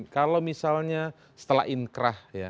kalau misalnya setelah inkrah